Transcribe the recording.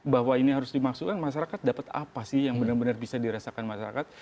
bahwa ini harus dimaksudkan masyarakat dapat apa sih yang benar benar bisa dirasakan masyarakat